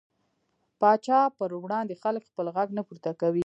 پاچا پر وړاندې خلک خپل غږ نه پورته کوي .